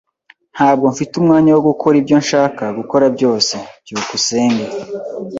Ntabwo mfite umwanya wo gukora ibyo nshaka gukora byose. byukusenge